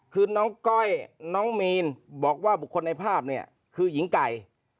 คือน้องก้อยน้องมีนบอกว่าบุคคลในภาพเนี่ยคือหญิงไก่